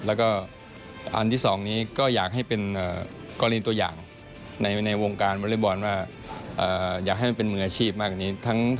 แล้วก็อันที่๒นี้ก็อยากให้เป็นกรณีตัวอย่างในวงการวอเล็กบอลว่าอยากให้มันเป็นมืออาชีพมากกว่านี้